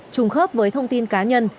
trung khớp với thông tin cá nhân